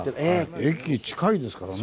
駅近いですからね。